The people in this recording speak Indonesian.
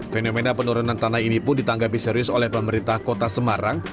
fenomena penurunan tanah ini pun ditanggapi serius oleh pemerintah kota semarang